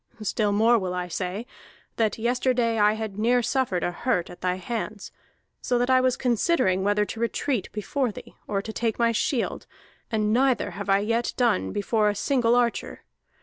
Still more will I say, that yesterday I had near suffered a hurt at thy hands, so that I was considering whether to retreat before thee, or to take my shield, and neither have I yet done before a single archer.